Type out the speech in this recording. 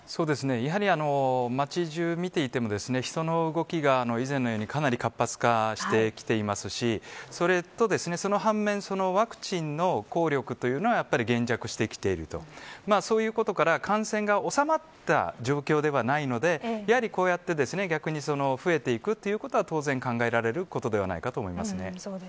やはり街中を見ていても人の動きが以前のようにかなり活発化してきていますしその反面ワクチンの抗力というのは減弱してきているということから感染が収まった状況ではないのでやはり、こうやって逆に増えていくということは当然考えられることではないかと思います。